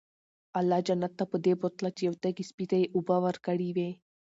الله جنت ته پدې بوتله چې يو تږي سپي ته ئي اوبه ورکړي وي